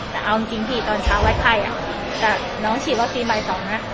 แล้ววาดไข้ตอนเช้าอาจจะเป็นอาวุธ